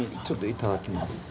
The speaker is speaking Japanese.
ちょっといただきます。